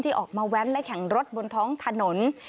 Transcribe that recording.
ออกมาแว้นและแข่งรถบนท้องถนน